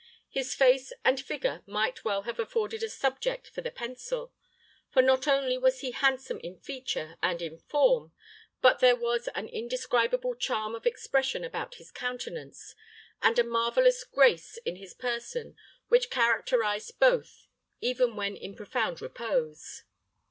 His face and figure might well have afforded a subject for the pencil; for not only was he handsome in feature and in form, but there was an indescribable charm of expression about his countenance, and a marvelous grace in his person which characterized both, even when in profound repose.